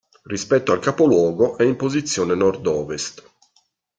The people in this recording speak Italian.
Rispetto al capoluogo è in posizione nord ovest.